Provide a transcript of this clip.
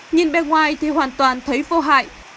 nhìn bên ngoài thì hoàn toàn thấy vô hại